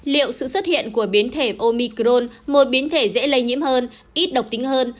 liệu sự xuất hiện của biến thể omicron một biến thể dễ lây nhiễm hơn ít độc tính hơn